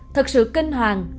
thật sự kinh hoàng